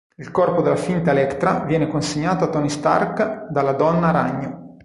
Il corpo della finta Elektra viene consegnato a Tony Stark dalla Donna Ragno.